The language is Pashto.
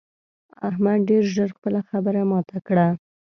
احمد ډېر ژر خپله خبره ماته کړه.